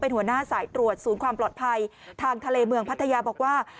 หัวหน้าสายตรวจศูนย์ความปลอดภัยทางทะเลเมืองพัทยาบอกว่า